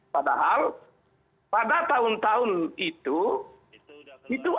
padahal pada tahun tahun itu